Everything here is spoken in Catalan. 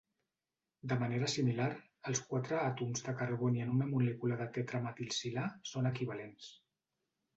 De manera similar, els quatre àtoms de carboni en una molècula de tetrametilsilà són equivalents.